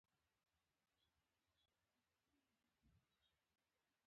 کله چې به د ژرندې وار هم تېر شو.